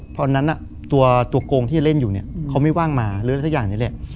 ตอนนั้นตัวโกงที่เล่นอยู่เนี่ยเขาไม่ว่างมาหรือสักอย่างนี้แหละ